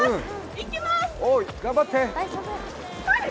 いきます！